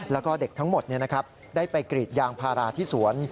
แล้วก็เด็กทั้งหมดได้ไปกรีดยางพาราที่สวน